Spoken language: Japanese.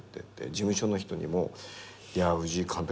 事務所の人にも藤井監督